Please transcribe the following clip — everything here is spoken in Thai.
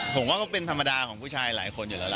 ผมว่าก็เป็นธรรมดาของผู้ชายหลายคนอยู่แล้วล่ะ